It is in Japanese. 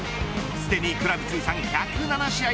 すでにクラブ通算１０７試合